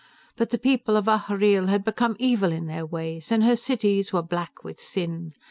But the people of Ahhreel had become evil in their ways, and her cities were black with sin.